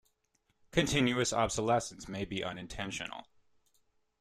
Continuous obsolescence may be unintentional.